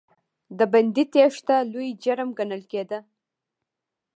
د بندي تېښته لوی جرم ګڼل کېده.